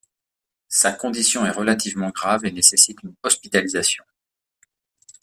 Sa condition est relativement grave et nécessite une hospitalisation.